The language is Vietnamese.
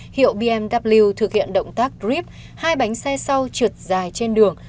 hiệu bmw thực hiện động tác grep hai bánh xe sau trượt dài trên đường